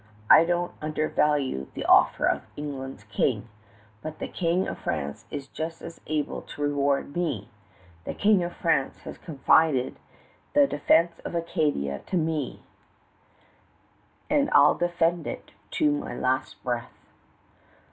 I don't undervalue the offer of England's King; but the King of France is just as able to reward me! The King of France has confided the defense of Acadia to me; and I'll defend it to my last breath."